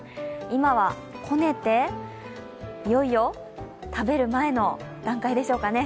今はこねて、いよいよ食べる前の段階でしょうかね。